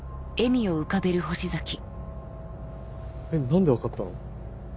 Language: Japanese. えっ何で分かったの？